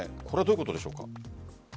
これはどういうことでしょうか？